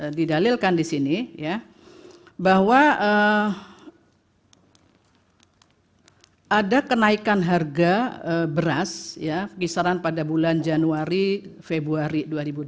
nah didalilkan di sini ya bahwa ada kenaikan harga beras ya kisaran pada bulan januari februari dua ribu dua puluh